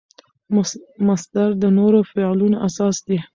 مصدر د نورو فعلونو اساس دئ.